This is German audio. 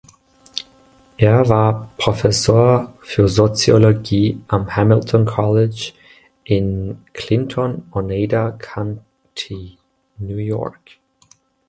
Er war Professor für Soziologie am Hamilton College in Clinton, Oneida County, New York.